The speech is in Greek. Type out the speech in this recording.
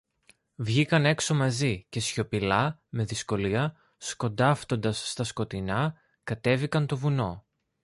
Βγήκαν έξω μαζί, και σιωπηλά, με δυσκολία, σκοντάφτοντας στα σκοτεινά, κατέβηκαν το βουνό.